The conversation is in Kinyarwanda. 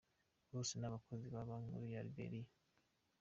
Bose ni abakozi ba banki nkuru ya Liberia.